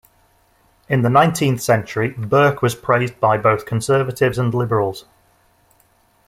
In the nineteenth century Burke was praised by both conservatives and liberals.